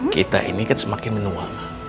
kita ini kan semakin menua